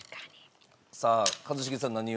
さあ一茂さん何を？